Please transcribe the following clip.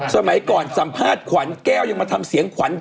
สมัยก่อนสัมภาษณ์ขวัญแก้วยังมาทำเสียงขวัญ